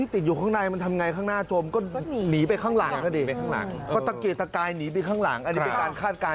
ส่วนหน้า